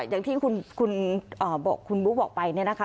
อย่างที่คุณบุ๊คบอกไปเนี่ยนะคะ